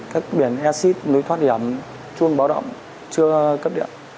các biển easit núi thoát hiểm chuông báo động chưa cấp điện